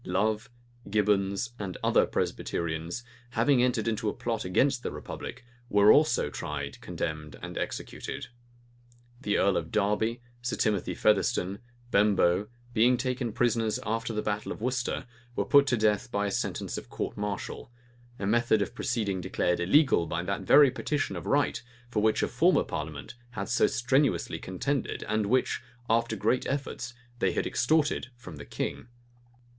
Love, Gibbons, and other Presbyterians, having entered into a plot against the republic, were also tried, condemned, and executed. The earl of Derby, Sir Timothy Featherstone, Bemboe, being taken prisoners after the battle of Worcester, were put to death by sentence of a court martial; a method of proceeding declared illegal by that very petition of right, for which a former parliament had so strenuously contended, and which, after great efforts, they had extorted from the king.